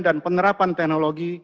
dan penerapan kesehatan